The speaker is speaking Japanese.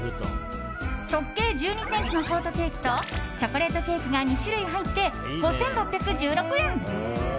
直径１２ｃｍのショートケーキとチョコレートケーキが２種類入って、５６１６円。